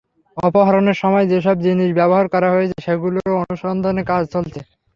অপহরণের সময় যেসব জিনিস ব্যবহার করা হয়েছে, সেগুলোরও অনুসন্ধানে কাজ চলছে।